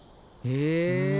へえ。